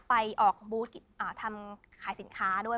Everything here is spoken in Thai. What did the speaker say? ไปออกบูธทำขายสินค้าด้วย